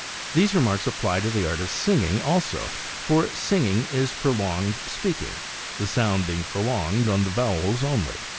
These remarks apply to the art of Singing, also, for singing is prolonged speaking — the sound being prolonged on the vowels only.